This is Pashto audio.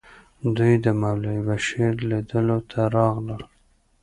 دوی د مولوي بشیر لیدلو ته راغلل.